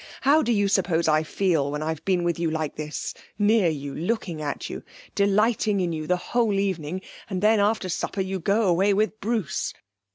How do you suppose I feel when I've been with you like this, near you, looking at you, delighting in you the whole evening and then, after supper, you go away with Bruce?